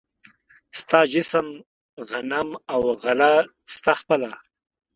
ستا جسم، غنم او غله ستا خپله